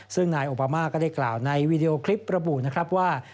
ซึ่งนายโอบามาก็ได้กล่าวในวีดีโอคลิประบุนะครับว่า